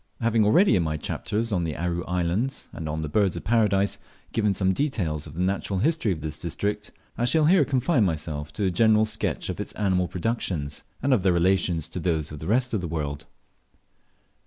Having already, in my chapters on the Aru Islands and on the Birds of Paradise, given some details of the natural history of this district, I shall here confine myself to a general sketch of its animal productions, and of their relations to those of the rest of the world.